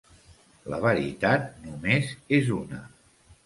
La veritat només és una.